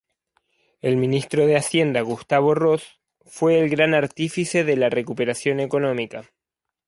El ministro de Hacienda Gustavo Ross fue el gran artífice de la recuperación económica.